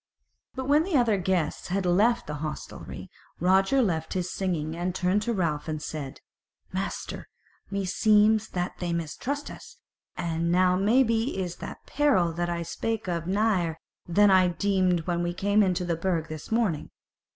But when the other guests had left the hostelry, Roger left his singing, and turned to Ralph and said: "Master, meseems that they mistrust us, and now maybe is that peril that I spake of nigher than I deemed when we came into the Burg this morning.